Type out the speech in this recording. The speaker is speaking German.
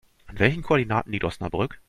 An welchen Koordinaten liegt Osnabrück?